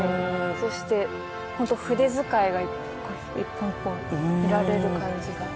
そしてホント筆遣いが一本一本見られる感じが。